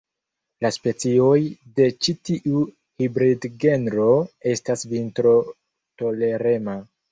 La specioj de ĉi tiu hibridgenro estas vintrotolerema.